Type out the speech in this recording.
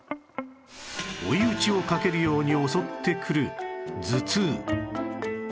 追い打ちをかけるように襲ってくる頭痛